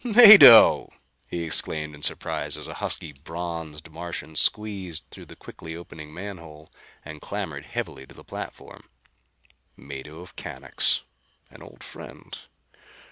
"Mado!" he exclaimed in surprise as a husky, bronzed Martian squeezed through the quickly opened manhole and clambered heavily to the platform. Mado of Canax an old friend!